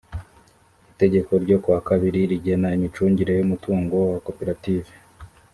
itegeko ryo ku wa kabiri rigena imicungire y’umutungo wa koperative